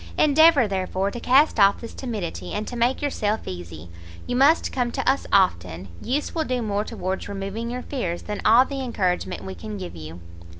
Endeavour, therefore, to cast off this timidity, and to make yourself easy. You must come to us often; use will do more towards removing your fears, than all the encouragement we can give you."